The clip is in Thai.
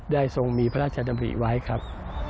ทรงมีพระราชดำริไว้ครับ